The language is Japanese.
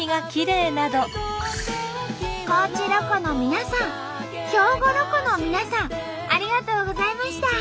高知ロコの皆さん兵庫ロコの皆さんありがとうございました！